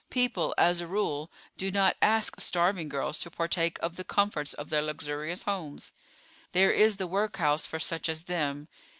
People as a rule, do not ask starving girls to partake of the comforts of their luxurious homes. There is the workhouse for such as them.